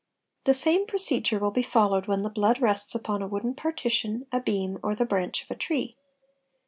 The same procedure will be followed when the blood rests upon a wooden partition, a beam, or the branch of a tree.